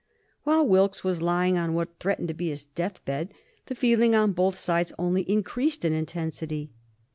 While Wilkes was lying on what threatened to be his death bed the feeling on both sides only increased in intensity.